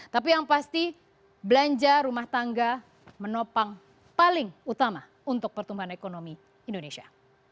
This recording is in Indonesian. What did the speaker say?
tapi yang pasti belanja rumah tangga menopang paling utama untuk pertumbuhan ekonomi indonesia